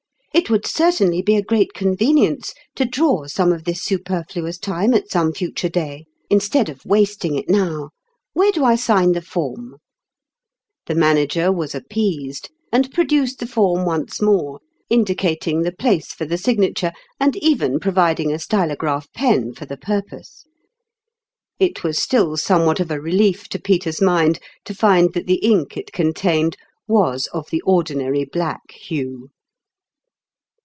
It would certainly be a great convenience to draw some of this superfluous time at some future day, instead of wasting it now. Where do I sign the form 2 " The Manager was appeased ; and produced the form once more, indicating the place for the signature, and even providing a stylo graph pen for the purpose. It was still some what of a relief to Peter's mind to find that the ink it contained was of the ordinary black hue.